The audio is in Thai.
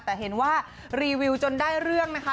แต่เห็นว่ารีวิวจนได้เรื่องนะคะ